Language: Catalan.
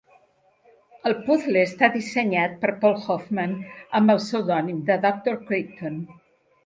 El puzle està dissenyat per Paul Hoffman, amb el pseudònim de "Dr. Crypton".